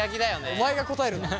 お前が答えるな。